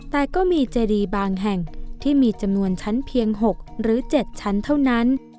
แต่ก็มีเจดีบางแห่งที่มีจำนวนชั้นเพียง๖หรือ๗ชั้นเท่านั้น